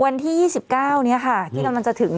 วันที่๒๙นี้ค่ะที่กำลังจะถึง